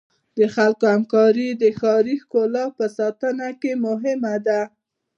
د خلکو همکاري د ښاري ښکلا په ساتنه کې مهمه ده.